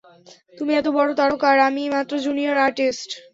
তুমি এত বড় তারকা, আর আমি মাত্র জুনিয়র আর্টিস্ট।